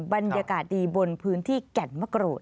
บรรยากาศดีบนพื้นที่แก่นมะกรูด